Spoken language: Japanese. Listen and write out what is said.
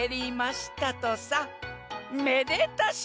めでたし！